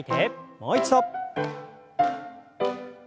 もう一度。